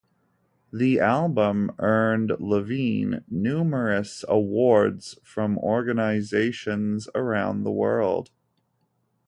The album earned Lavigne numerous awards from organizations around the world.